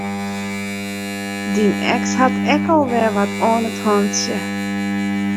Dyn eks hat ek al wer wat oan 't hantsje.